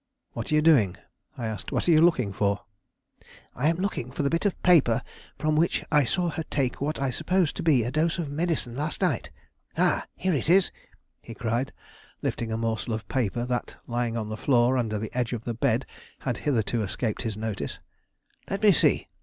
"What are you doing?" I asked. "What are you looking for?" "I am looking for the bit of paper from which I saw her take what I supposed to be a dose of medicine last night. Oh, here it is!" he cried, lifting a morsel of paper that, lying on the floor under the edge of the bed, had hitherto escaped his notice. "Let me see!"